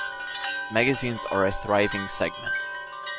Magazines are a thriving segment.